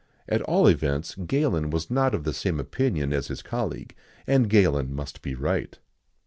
At all events, Galen was not of the same opinion as his colleague,[XIX 97] and Galen must be right.